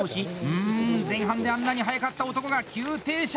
うん、前半であんなに速かった男が急停車！